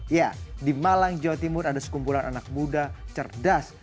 ya di malang jawa timur ada sekumpulan anak muda cerdas